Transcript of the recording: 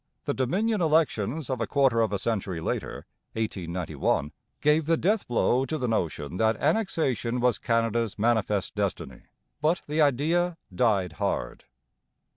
The Dominion elections of a quarter of a century later (1891) gave the death blow to the notion that Annexation was Canada's manifest destiny; but the idea died hard.